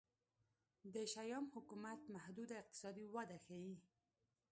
د شیام حکومت محدوده اقتصادي وده ښيي.